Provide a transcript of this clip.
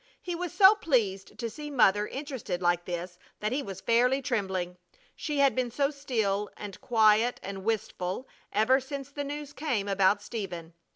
He was so pleased to see Mother interested like this that he was fairly trembling. She had been so still and quiet and wistful ever since the news came about Stephen.